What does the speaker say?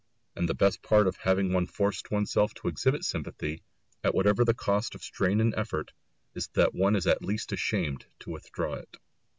And the best part of having once forced oneself to exhibit sympathy, at whatever cost of strain and effort, is that one is at least ashamed to withdraw it.